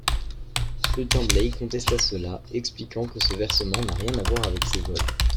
Hutin-Blay conteste cela, expliquant que ce versement n’a rien avoir avec ces vols.